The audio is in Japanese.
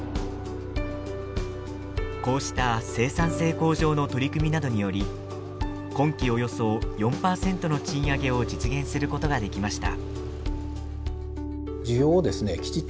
こうした生産性向上の取り組みなどにより今期およそ４％の賃上げを実現することができました。